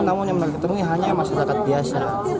namun yang mereka ketemu hanya masyarakat biasa